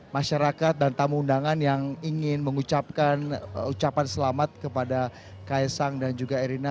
masyarakat dan tamu undangan yang ingin mengucapkan ucapan selamat kepada kaisang dan juga erina